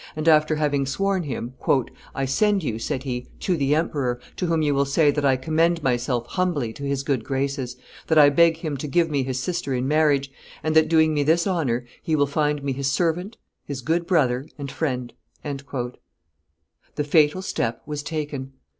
and, after having sworn him, "I send you," said he, "to the emperor, to whom you will say that I commend myself humbly to his good graces, that I beg him to give me his sister in marriage, and that, doing me this honor, he will find me his servant, his good brother, and friend." The fatal step was taken.